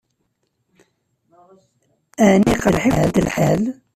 Ɛni iqṛeḥ-ikent lḥal?